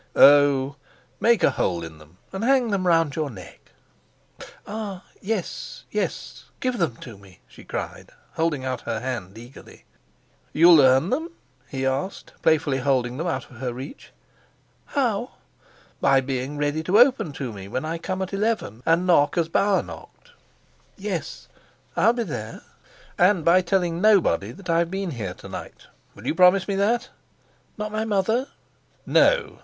"Oh, make a hole in them and hang them round your neck." "Ah, yes: yes, give them to me," she cried, holding out her hand eagerly. "You'll earn them?" he asked, playfully holding them out of her reach. "How?" "By being ready to open to me when I come at eleven and knock as Bauer knocked." "Yes, I'll be there." "And by telling nobody that I've been here to night. Will you promise me that?" "Not my mother?" "No."